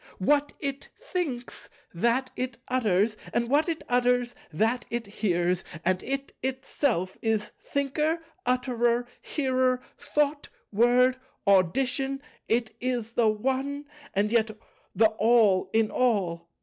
What It thinks, that It utters; and what It utters, that It hears; and It itself is Thinker, Utterer, Hearer, Thought, Word, Audition; it is the One, and yet the All in All.